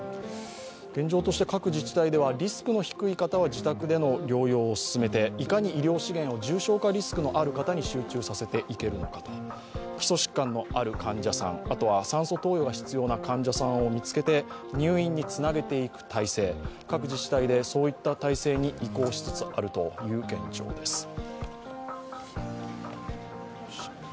現状として各自治体ではリスクの低い方には自宅での療養を進めていかに医療資源を重症化リスクのある方に集中させていけるのか、基礎疾患のある患者さん、あとは酸素投与が必要な患者さんを見つけて入院につなげていく体制、各自治体でそういった体制に移行しつつあるという現状です